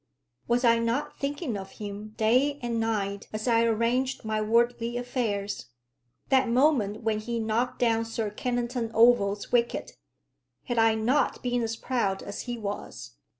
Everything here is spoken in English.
Was I not thinking of him day and night as I arranged my worldly affairs? That moment when he knocked down Sir Kennington Oval's wicket, had I not been as proud as he was?